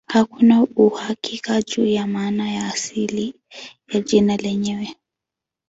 Hakuna uhakika juu ya maana ya asili ya jina lenyewe.